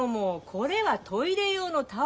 これはトイレ用のタオル。